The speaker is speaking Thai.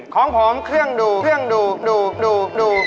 ของผมเครื่องดูดูดู